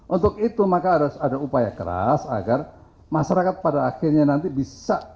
untuk itu maka harus ada upaya keras agar masyarakat pada akhirnya nanti bisa